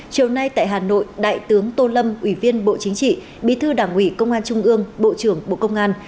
chiều nay tại hà nội đại tướng tô lâm ủy viên bộ chính trị bí thư đảng ủy công an trung ương bộ trưởng bộ công an